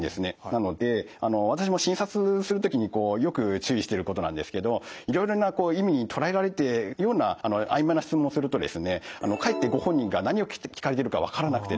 なので私も診察する時によく注意していることなんですけどいろいろな意味に捉えられていくようなあいまいな質問をするとですねかえってご本人が何を聞かれているか分からなくてですね